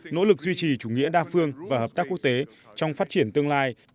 nỗ lực duy trì chủ nghĩa đa phương và hợp tác quốc tế trong phát triển tương lai